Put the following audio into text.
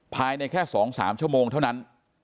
ภายในแค่สองสามชั่วโมงเท่านั้น